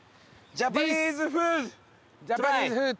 ジャパニーズフーズトライ！